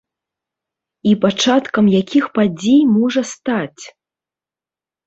І пачаткам якіх падзей можа стаць?